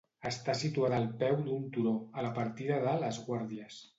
Està situada al peu d'un turó, a la partida de "Les Guàrdies".